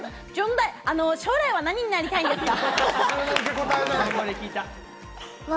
将来は何になりたいんですか？